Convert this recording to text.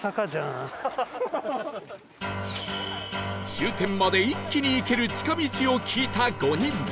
終点まで一気に行ける近道を聞いた５人